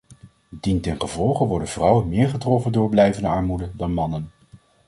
Dientengevolge worden vrouwen meer getroffen door blijvende armoede dan mannen.